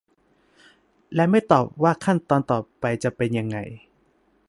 และไม่ตอบว่าขั้นตอนต่อไปจะเป็นยังไง